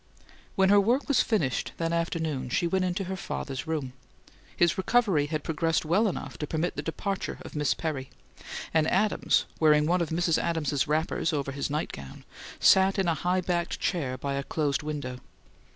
When her work was finished, that afternoon, she went into her father's room. His recovery had progressed well enough to permit the departure of Miss Perry; and Adams, wearing one of Mrs. Adams's wrappers over his night gown, sat in a high backed chair by a closed window.